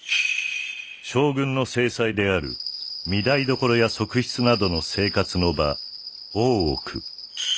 将軍の正妻である御台所や側室などの生活の場大奥。